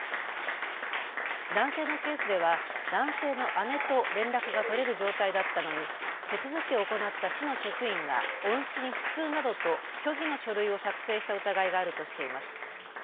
男性のケースでは男性の姉と連絡が取れる状態だったのに手続きを行った市の職員が音信不通などと虚偽の書類を作成した疑いがあるとしています。